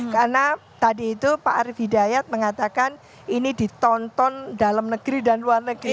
karena tadi itu pak arief hidayat mengatakan ini ditonton dalam negeri dan luar negeri